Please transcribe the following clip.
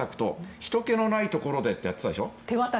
ひとけのないところでってやってたでしょ。